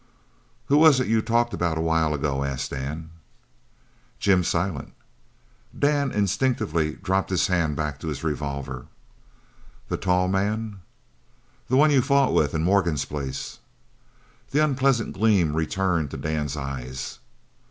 "Who was it you talked about a while ago?" asked Dan. "Jim Silent." Dan instinctively dropped his hand back to his revolver. "The tall man?" "The one you fought with in Morgan's place." The unpleasant gleam returned to Dan's eyes.